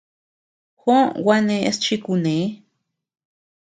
Juó gua neʼes chi kune.